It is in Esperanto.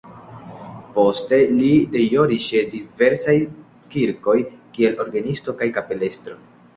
Poste li deĵoris ĉe diversaj kirkoj kiel orgenisto kaj kapelestro.